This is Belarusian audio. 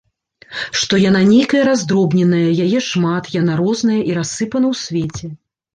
Што яна нейкая раздробненая, яе шмат, яна розная, і рассыпана ў свеце.